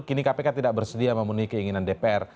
kini kpk tidak bersedia memenuhi keinginan dpr